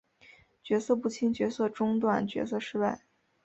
角色不清角色中断角色失败